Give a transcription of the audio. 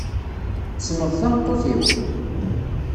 Tessneḍ tameṭṭut-iw?